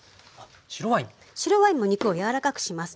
白ワインも肉を柔らかくします。